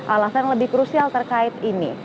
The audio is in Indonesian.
alasan lebih krusial terkait ini